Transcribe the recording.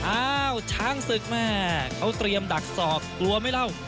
อ้าวช้างศึกแม่เขาเตรียมดักศอกกลัวไหมเล่า